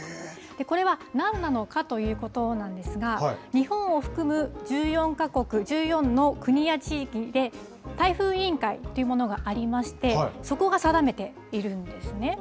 これはなんなのかということなんですが、日本を含む１４か国、１４の国や地域で、台風委員会というものがありまして、そこが定めているんですね。